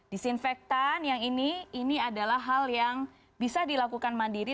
disinfektan yang ini ini adalah hal yang bisa dilakukan mandiri